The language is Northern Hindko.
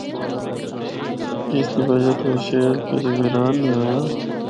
اس دی وجہ تو اے شہر کدی ویران نیں ہویا۔